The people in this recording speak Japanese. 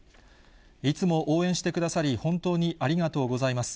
いつも応援してくださり、本当にありがとうございます。